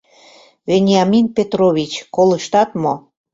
Вениамин Петрович, колыштат мо?